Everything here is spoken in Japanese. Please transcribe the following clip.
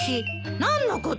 何のこと？